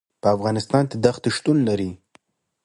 په افغانستان کې دښتې شتون لري.